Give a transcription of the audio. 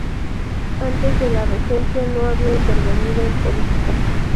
Antes de la regencia no había intervenido en política.